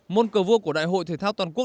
môn cờ vua của đại hội thể thao toàn quốc